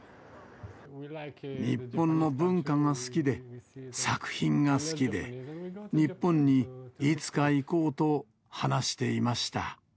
日本の文化が好きで、作品が好きで、日本にいつか行こうと話していました。